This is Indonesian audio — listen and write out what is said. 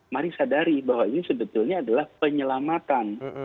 mari sadari bahwa ini sebetulnya adalah penyelamatan